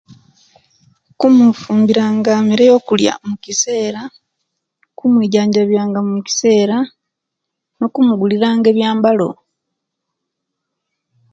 Kumufumbiranga imere eyokuliya mukisera, kumuikjanjabiyanga mukisera nokumugulira nga ebiyambalo